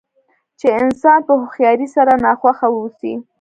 چې انسان په هوښیارۍ سره ناخوښه واوسي.